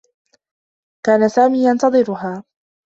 كان سامي ينتظرها.